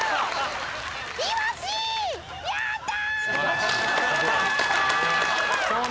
やった！